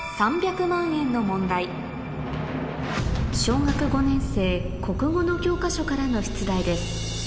小学５年生国語の教科書からの出題です